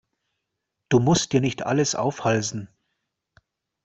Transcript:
Du musst dir nicht alles aufhalsen.